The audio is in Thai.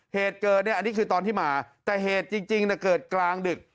เหตุเกิดเนี่ยอันนี้คือตอนที่มาแต่เหตุจริงเกิดกลางดึก